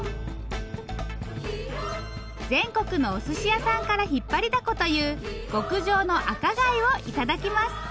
全国のおすし屋さんから引っ張りだこという極上の赤貝を頂きます。